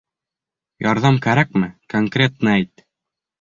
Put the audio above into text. — Ярҙам кәрәкме, конкретно әйт.